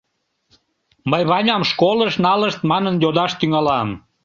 Мый Ваням школыш налышт манын йодаш тӱҥалам.